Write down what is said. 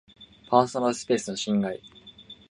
パーソナルスペースの侵害